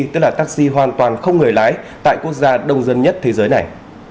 tức là taxi hoàn toàn không người lái tại quốc gia đông dân nhất thế giới này